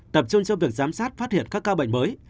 tập trung cho việc giám sát phát hiện các ca bệnh mới